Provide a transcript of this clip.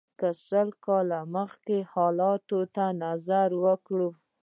که سل کاله مخکې حالاتو ته نظر وکړو.